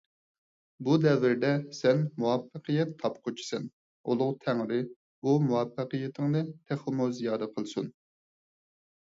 بۇ دەۋردە سەن مۇۋەپپەقىيەت تاپقۇچىسەن. ئۇلۇغ تەڭرى بۇ مۇۋەپپەقىيىتىڭنى تېخىمۇ زىيادە قىلسۇن.